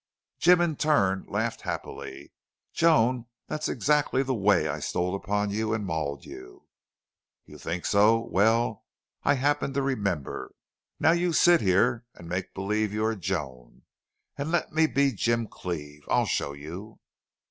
Jim in turn laughed happily. "Joan, that's exactly the way I stole upon you and mauled you!". "You think so! Well, I happen to remember. Now you sit here and make believe you are Joan. And let me be Jim Cleve!... I'll show you!"